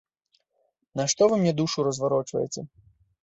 Нашто вы мне душу разварочваеце?